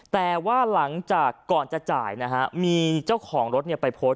แต่ว่าหลังจากก่อนจะจ่ายนะฮะมีเจ้าของรถไปโพสต์